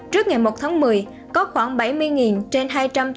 trước ngày một tháng một mươi có khoảng bảy mươi trên hai trăm tám mươi tám năm trăm linh